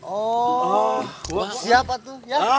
oh siapa tuh ya